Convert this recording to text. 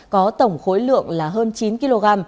có tổng khối lượng là hơn chín kg